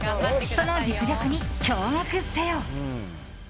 その実力に驚愕せよ！